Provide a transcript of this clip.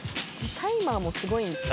タイマーもすごいのよ。